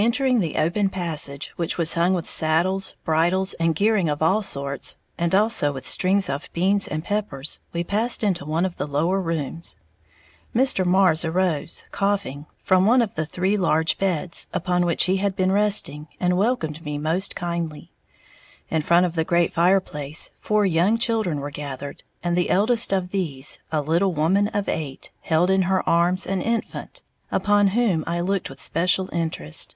Entering the open passage, which was hung with saddles, bridles and gearing of all sorts, and also with strings of beans and peppers, we passed into one of the lower rooms. Mr. Marrs arose, coughing, from one of the three large beds, upon which he had been resting, and welcomed me most kindly. In front of the great fireplace, four young children were gathered, and the eldest of these, a little woman of eight, held in her arms an infant, upon whom I looked with special interest.